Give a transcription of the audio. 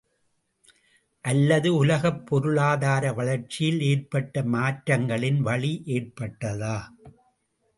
அல்லது உலகப் பொருளாதார வளர்ச்சியில் ஏற்பட்ட மாற்றங்களின் வழி ஏற்பட்டதா?